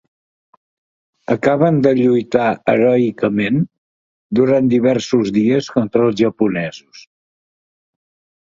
Acaben de lluitar heroicament, durant diversos dies contra els japonesos.